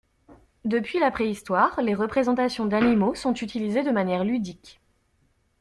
Depuis la préhistoire, les représentations d’animaux sont utilisées de manière ludique.